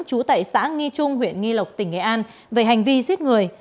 trú tại xã nghi trung huyện nghi lộc tỉnh nghệ an về hành vi giết người